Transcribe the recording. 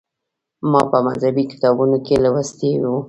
ما په مذهبي کتابونو کې لوستي و.